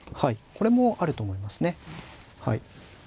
これもあると思いますね。